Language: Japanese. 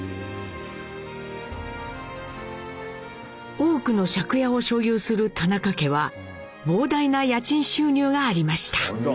多くの借家を所有する田中家は膨大な家賃収入がありました。